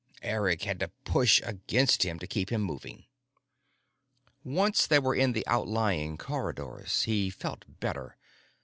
Eric had to push against him to keep him moving. Once they were in the outlying corridors, he felt better.